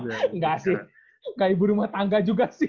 enggak sih enggak ibu rumah tangga juga sih